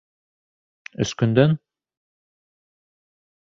Өс көндән?..